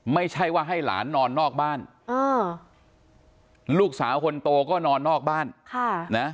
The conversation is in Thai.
ไม่ใช่ว่าให้หลานนอนนอกบ้านลูกสาวคนโตก็นอนนอกบ้านค่ะนะ